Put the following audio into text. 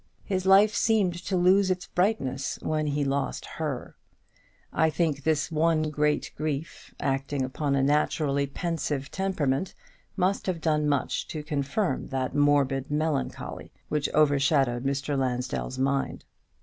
His life seemed to lose its brightness when he lost her; and I think this one great grief, acting upon a naturally pensive temperament, must have done much to confirm that morbid melancholy which overshadowed Mr. Lansdell's mind.